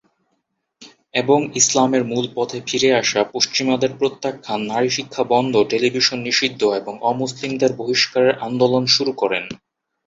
এবং ইসলামের মূল পথে ফিরে আসা, পশ্চিমাদের প্রত্যাখ্যান, নারী শিক্ষা বন্ধ, টেলিভিশন নিষিদ্ধ এবং অ-মুসলিমদের বহিষ্কারের আন্দোলন শুরু করেন।